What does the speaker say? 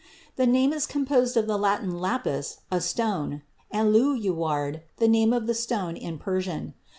The name is composed of the Latin lapis, "a stone," and lajuward, the name of the stone in Persian.